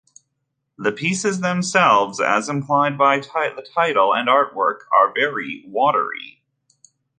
The pieces themselves, as implied by the title and artwork, are very "watery".